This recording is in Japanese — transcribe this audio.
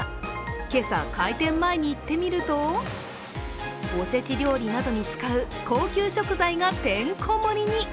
今朝、開店前に行ってみるとお節料理などに使う高級食材がてんこ盛りに！